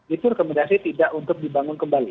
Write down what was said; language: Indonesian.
itu rekomendasi tidak untuk dibangun kembali